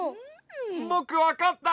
ぼくわかった！